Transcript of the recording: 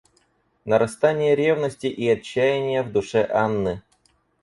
Нарастание ревности и отчаяния в душе Анны.